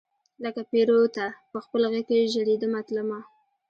لکه پیروته پخپل غیږ کې ژریدمه تلمه